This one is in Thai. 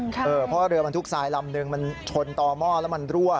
เพราะเรือบรรทุกทรายลำนึงมันชนต่อหม้อแล้วมันรั่ว